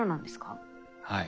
はい。